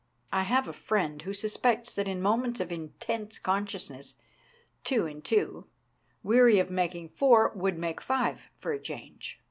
I have a friend who suspects that in moments of intense consciousness two and two, weary of making four, would make five for a change.